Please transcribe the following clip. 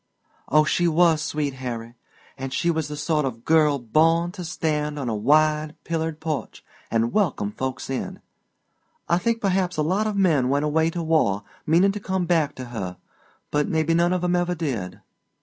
"Oh, she was sweet, Harry! And she was the sort of girl born to stand on a wide, pillared porch and welcome folks in. I think perhaps a lot of men went away to war meanin' to come back to her; but maybe none of 'em ever did."